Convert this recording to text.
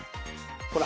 ほら。